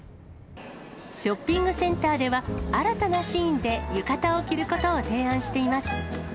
ショッピングセンターでは、新たなシーンで浴衣を着ることを提案しています。